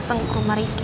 dateng ke rumah riki